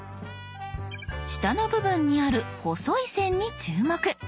下の部分にある細い線に注目。